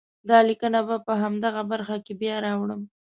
دا لیکنه به په همدغه برخه کې بیا راوړم.